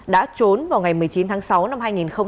đã trốn vào ngày một mươi chín tháng sáu năm hai nghìn hai mươi ba